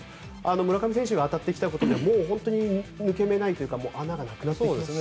村上選手が当たってきたのはもう本当に抜け目ないというか穴がなくなってきましたね。